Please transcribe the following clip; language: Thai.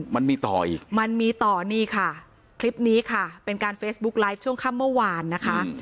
มันมีต่ออีกมันมีต่อนี่ค่ะคลิปนี้ค่ะเป็นการเฟซบุ๊กไลฟ์ช่วงค่ำเมื่อวานนะคะ